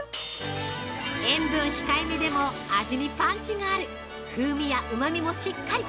◆塩分控え目でも味にパンチがある風味やうまみもしっかり！